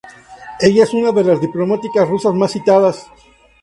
Ella es una de las diplomáticas rusas más citadas.